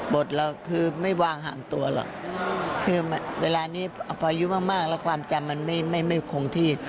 เราคือไม่วางห่างตัวหรอกคือเวลานี้พายุมากแล้วความจำมันไม่คงที่